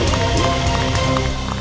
tiga dua satu